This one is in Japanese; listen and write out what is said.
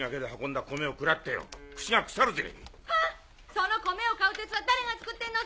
その米を買う鉄は誰が作ってんのさ！